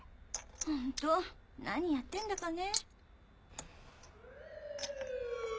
ホント何やってんだかね。